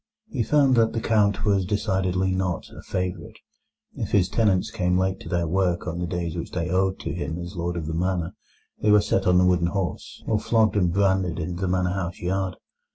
He found that the Count was decidedly not a favourite. If his tenants came late to their work on the days which they owed to him as Lord of the Manor, they were set on the wooden horse, or flogged and branded in the manor house yard.